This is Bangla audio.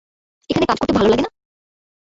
এখানে কাজ করতে ভালো লাগে না?